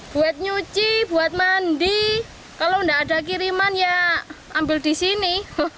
buat nyuci buat mandi kalau nggak ada kiriman ya ambil di sini